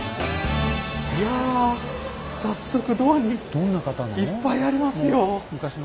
いや早速ドアにいっぱいありますよ！